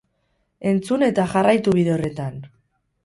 Entzun eta jarraitu bide horretan!